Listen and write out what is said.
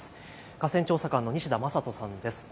河川調査官の西田将人さんです。